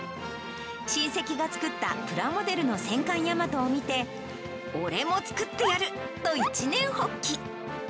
親戚が作ったプラモデルの戦艦大和を見て、俺も作ってやる！と、一念発起。